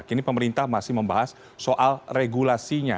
kini pemerintah masih membahas soal regulasinya